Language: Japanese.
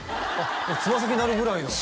もうつま先になるぐらいの？